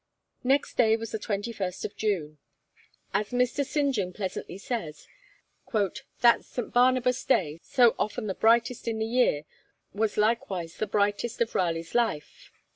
Next day was the 21st of June. As Mr. St. John pleasantly says, 'that St. Barnabas' Day, so often the brightest in the year, was likewise the brightest of Raleigh's life.'